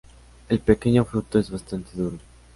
El pequeño fruto es bastante duro.